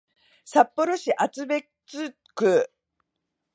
札幌市厚別区